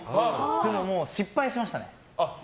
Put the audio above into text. でも失敗しましたね。